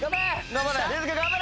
頑張れ！